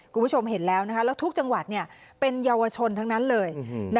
คุณผู้ชมเห็นแล้วแล้วทุกจังหวัดเป็นเยาวชนทั้งนั้นเลย